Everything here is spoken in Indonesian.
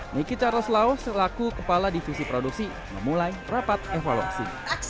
niki charles lau selaku kepala divisi produksi memulai rapat evaluasi